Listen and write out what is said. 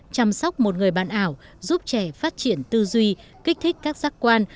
chăm sóc một người bạn ảo giúp trẻ phát triển tư duy kích thích các giác quan